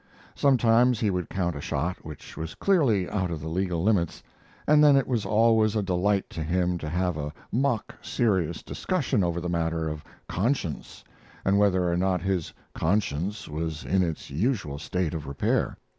Sometimes he would count a shot which was clearly out of the legal limits, and then it was always a delight to him to have a mock serious discussion over the matter of conscience, and whether or not his conscience was in its usual state of repair.